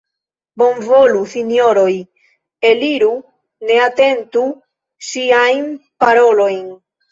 Bonvolu, sinjoroj, aliru, ne atentu ŝiajn parolojn!